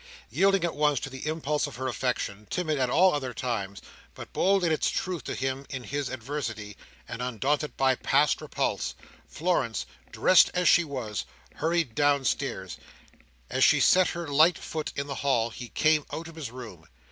Yielding at once to the impulse of her affection, timid at all other times, but bold in its truth to him in his adversity, and undaunted by past repulse, Florence, dressed as she was, hurried downstairs. As she set her light foot in the hall, he came out of his room.